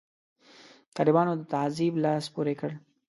طالبانو د تعذیب لاس پورې کړ.